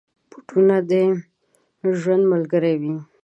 بوټونه د ژوند ملګري وي.